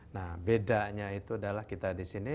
nah bedanya itu adalah kita disini